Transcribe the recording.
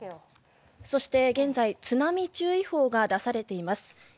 そして、現在津波注意報が出されています。